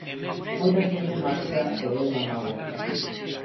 Moita xente marcha e é unha mágoa.